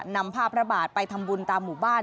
นำผ้าพระบาทไปทำบุญตามหมู่บ้าน